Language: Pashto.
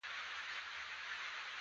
دوی د لندن تر یوه پلنډي زیات قوت لري.